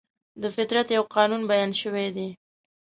د فطرت یو قانون بیان شوی دی.